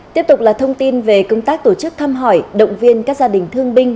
tiếp tục là thông tin về công tác tổ chức thăm hỏi động viên các gia đình thương binh